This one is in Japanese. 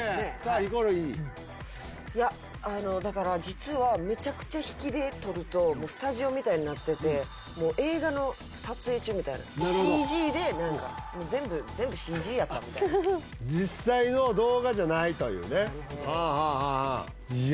ヒコロヒーいやあのだから実はめちゃくちゃ引きで撮るとスタジオみたいになっててもう映画の撮影中みたいななるほどＣＧで何かもう全部全部ＣＧやったみたいな実際の動画じゃないというねいや